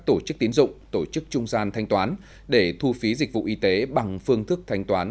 tổ chức tín dụng tổ chức trung gian thanh toán để thu phí dịch vụ y tế bằng phương thức thanh toán